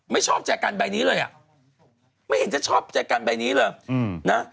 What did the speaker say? ไม่ชอบแจกันใบนี้เลยอ่ะไม่เห็นจะชอบใจกันใบนี้เลยนะ